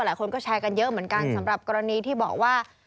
หลายคนก็แชร์กันเยอะเหมือนกันสำหรับกรณีที่บอกว่า